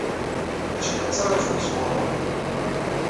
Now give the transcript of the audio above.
D acu i la ttṛaǧunt sɣur-m?